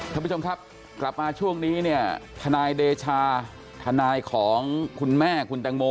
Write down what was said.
ท่านผู้ชมครับกลับมาช่วงนี้เนี่ยทนายเดชาทนายของคุณแม่คุณแตงโม